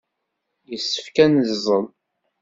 Yessefk ad neẓẓel.